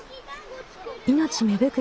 命芽吹く